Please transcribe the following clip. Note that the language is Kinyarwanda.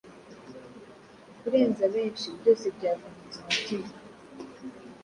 Kurenza benshi Byose byavunitse umutima,